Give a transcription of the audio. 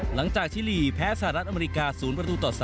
ชิลีแพ้สหรัฐอเมริกา๐ประตูต่อ๓